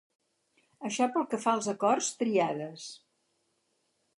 Això pel que fa als acords tríades.